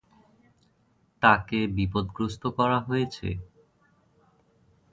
তাকে "বিপদগ্রস্ত" করা হয়েছে।